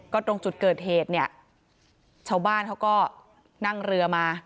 ตรงจุดเกิดเหตุเนี่ยชาวบ้านเขาก็นั่งเรือมา